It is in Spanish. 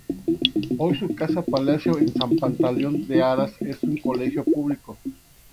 Hoy su casa palacio en San Pantaleón de Aras es un colegio público.